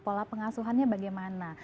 pola pengasuhannya bagaimana